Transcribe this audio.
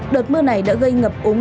đợt mưa này đã gây ngập ống